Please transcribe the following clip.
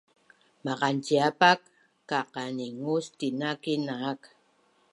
Maqanciapak kaqaningus tina kinaak